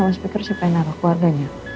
user kelebihan maksu muda